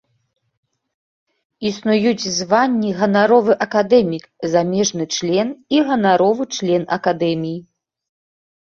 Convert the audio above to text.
Існуюць званні ганаровы акадэмік, замежны член і ганаровы член акадэміі.